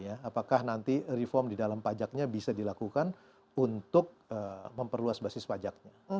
apakah nanti reform di dalam pajaknya bisa dilakukan untuk memperluas basis pajaknya